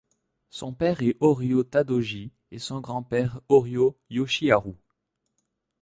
Son père est Horio Tadauji et son grand-père Horio Yoshiharu.